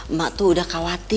emak tuh udah khawatir dari tadi